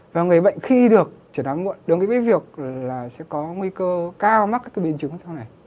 và người bệnh khi được chẩn đoán muộn đồng ý với việc là sẽ có nguy cơ cao mắc các bệnh chứng sau này